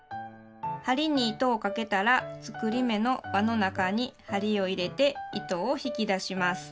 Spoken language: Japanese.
針に糸をかけたら作り目の「わ」の中に針を入れて糸を引き出します。